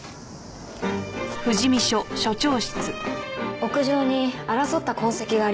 屋上に争った痕跡がありました。